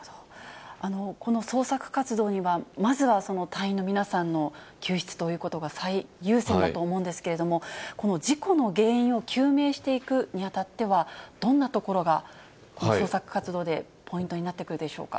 この捜索活動には、まずは隊員の皆さんの救出ということが最優先だと思うんですけれども、事故の原因を究明していくにあたっては、どんなところが捜索活動でポイントになってくるでしょうか。